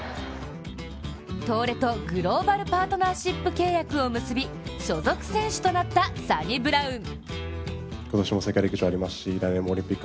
東レとグローバルパートナーシップ契約を結び所属選手となったサニブラウン。